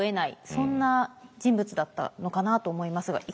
そんな人物だったのかなと思いますがいかがですか。